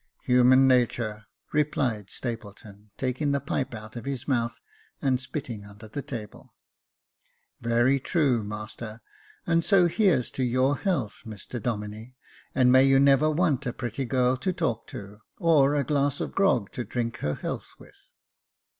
*' Human natur," replied Stapleton, taking the pipe out of his mouth, and spitting under the table. " Very true, master ; and so here's to your health, Mr Domine, and may you never want a pretty girl to talk to, or a glass of grog to drink her health with."